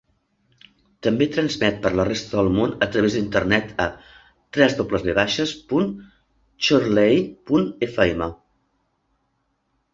També transmet per la resta del món a través d'Internet a www punt chorley punt fm.